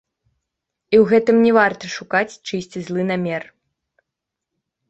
І ў гэтым не варта шукаць чыйсьці злы намер.